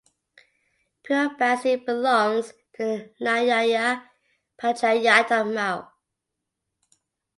Pure Bansi belongs to the nyaya panchayat of Mau.